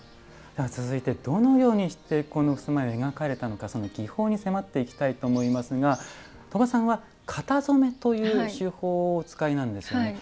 では続いてどのようにしてこの襖絵を描かれたのかその技法に迫っていきたいと思いますが鳥羽さんは型染めという手法をお使いなんですよね。